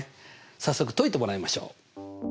早速解いてもらいましょう。